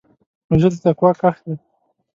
روژه د تقوا کښت دی.